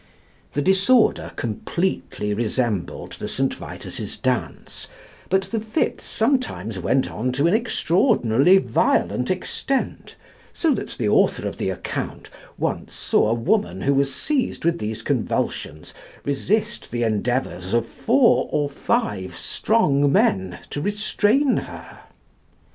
The disorder completely resembled the St. Vitus's dance, but the fits sometimes went on to an extraordinarily violent extent, so that the author of the account once saw a woman who was seized with these convulsions resist the endeavours of four or five strong men to restrain her.